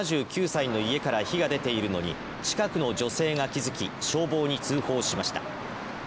７９歳の家から火が出ているのに近くの女性が気づき、消防に通報しました。